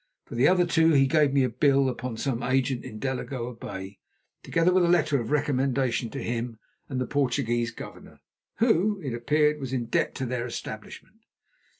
For the other two he gave me a bill upon some agent in Delagoa Bay, together with a letter of recommendation to him and the Portuguese governor, who, it appeared, was in debt to their establishment.